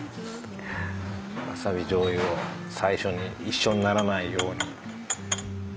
わさびじょうゆを最初に一緒にならないように。